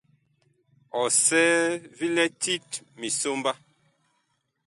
Ɔsɛɛ vi lɛ tit misomba.